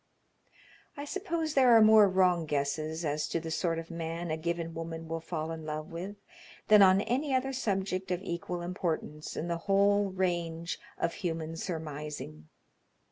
I suppose there are more wrong guesses as to the sort of man a given woman will fall in love with than on any other subject of equal importance in the whole range of human surmising.